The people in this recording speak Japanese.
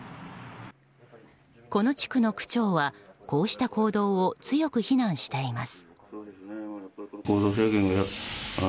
この地区の区長はこうした行動を強く非難しています。